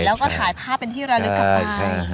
แล้วก็ถ่ายภาพเป็นที่ระลึกกลับไป